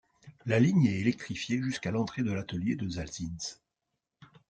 La ligne est électrifiée jusqu'à l'entrée de l'atelier de Salzinnes.